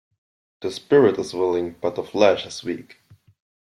The spirit is willing but the flesh is weak.